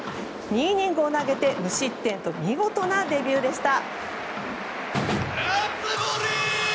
２イニングを投げて無失点と見事なデビューでした。